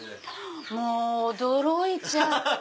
もう驚いちゃって。